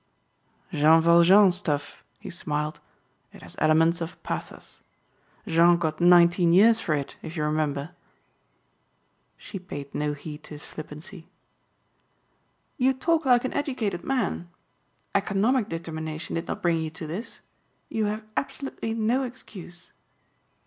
"Jean Valjean stuff," he smiled, "it has elements of pathos. Jean got nineteen years for it if you remember." She paid no heed to his flippancy. "You talk like an educated man. Economic determination did not bring you to this. You have absolutely no excuse."